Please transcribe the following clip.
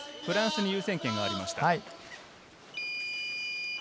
フランスに優先権がありました。